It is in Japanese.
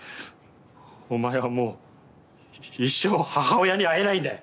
お前はもう一生母親に会えないんだよ！